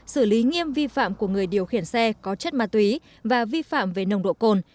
xử lý nghiêm vi phạm của người điều khiển xe có chất ma túy và vi phạm về nồng độ cồn